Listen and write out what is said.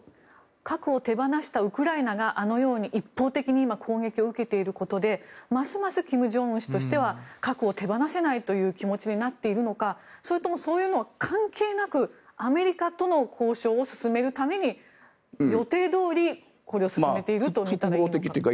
核を手放したウクライナがあのように一方的に攻撃を受けていることでますます金正恩氏としては核を手放せないという気持ちになっているのかそれともそういうのは関係なくアメリカとの交渉を進めるために予定どおりこれを進めていると見たらいいのか。